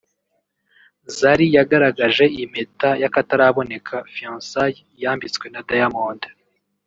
Zari yagaragaje impeta y’akataraboneka (fiancaille) yambitswe na Diamond